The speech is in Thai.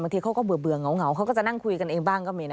ทีเขาก็เบื่อเหงาเขาก็จะนั่งคุยกันเองบ้างก็มีนะ